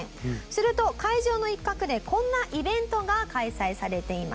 すると会場の一角でこんなイベントが開催されていました。